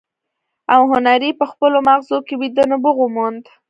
او هنري په خپلو ماغزو کې ويده نبوغ وموند.